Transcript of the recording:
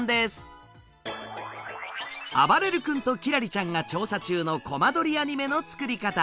あばれる君と輝星ちゃんが調査中のコマ撮りアニメの作り方。